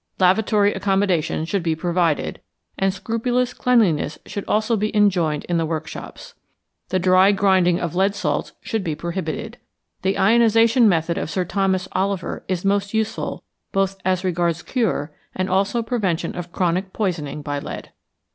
Lavatory accommodation should be provided, and scrupulous cleanliness should also be enjoined in the workshops. The dry grinding of lead salts should be prohibited. The ionization method of Sir Thomas Oliver is most useful both as regards cure and also prevention of chronic poisoning by lead.